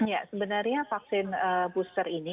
ya sebenarnya vaksin booster ini